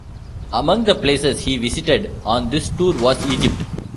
Among the places he visited on this tour was Egypt.